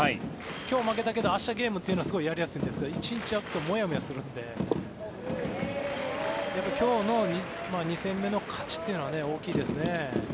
今日負けたけど明日ゲームというのはやりやすいんですが１日空くともやもやするんで今日の２戦目の勝ちというのは大きいですね。